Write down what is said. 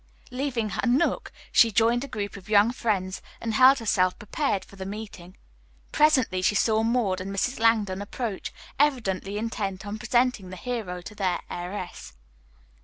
Leaving her nook, she joined a group of young friends and held herself prepared for the meeting. Presently she saw Maud and Mrs. Langdon approaching, evidently intent on presenting the hero to the heiress.